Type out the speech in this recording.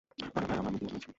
আরে, ভাই আমার মিলিয়ে নিয়েছে।